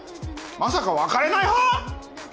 まさか別れない派！？